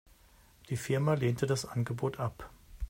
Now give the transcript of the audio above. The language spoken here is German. Die Firma lehnte das Angebot ab.